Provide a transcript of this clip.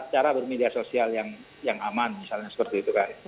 cara bermedia sosial yang aman misalnya seperti itu kan